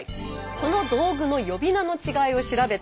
この道具の呼び名の違いを調べたマップです。